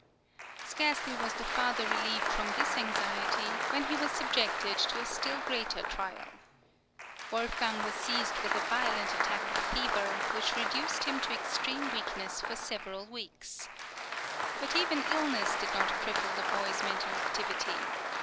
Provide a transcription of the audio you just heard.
Scarcely was the father relieved from this anxiety when he was subjected to a still greater trial. Wolfgang was seized with a violent attack of fever, which reduced him to extreme weakness for several weeks. But even illness did not cripple the boy's mental activity.